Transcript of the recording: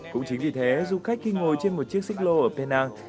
cũng chính vì thế du khách khi ngồi trên một chiếc xích lô ở penang